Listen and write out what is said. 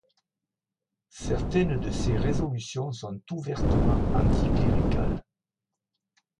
Certaines de ces résolutions sont ouvertement anticléricales.